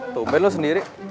tumpen lo sendiri